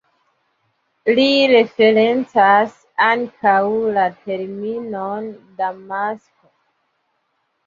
Li referencas ankaŭ la terminon damasko.